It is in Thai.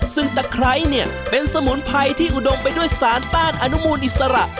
ซึ่งตะไคร้เนี่ยเป็นสมุนไพรที่อุดมไปด้วยสารต้านอนุมูลอิสระ